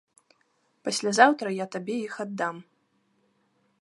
Паслязаўтра я табе іх аддам.